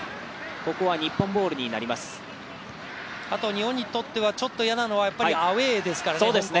日本にとってはちょっと嫌なのはアウェーですから、香港。